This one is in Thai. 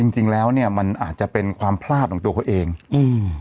จริงแล้วเนี้ยมันอาจจะเป็นความพลาดของตัวเขาเองอืม